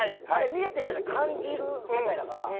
見えてるんじゃない感じる世界だから。